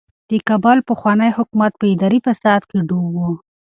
د کابل پخوانی حکومت په اداري فساد کې ډوب و.